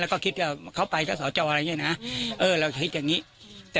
เราก็คิดเขาไปก็สอเจ้าอะไรอย่างนี้นะ